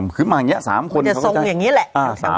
คือแถวนี้ก็๓๐๐๐บาทอย่างนี้แหละ